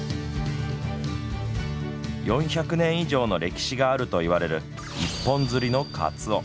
４００年以上の歴史があるといわれる一本釣りのかつお。